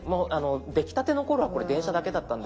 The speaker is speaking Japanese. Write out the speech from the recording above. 出来たての頃はこれ電車だけだったんですけど